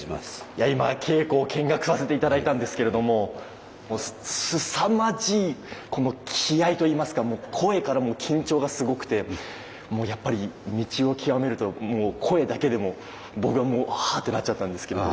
いや今稽古を見学させて頂いたんですけれどももうすさまじいこの気合いといいますかもう声からも緊張がすごくてもうやっぱり道を極めるともう声だけでも僕はもうハーッてなっちゃったんですけど。